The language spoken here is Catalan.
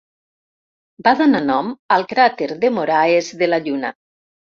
Va donar nom al cràter De Moraes de la Lluna.